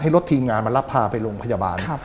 รถทีมงานมารับพาไปโรงพยาบาล